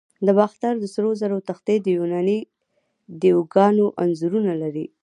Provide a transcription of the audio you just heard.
د باختر د سرو زرو تختې د یوناني دیوگانو انځورونه لري